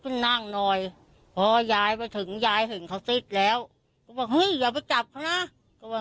ขึ้นนั่งหน่อยพอย้ายไปถึงย้ายถึงเขาสิ้นแล้วว่าเฮ้ยอย่าไปจับนะก็ว่า